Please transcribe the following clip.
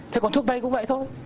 thế còn thuốc tây cũng vậy thôi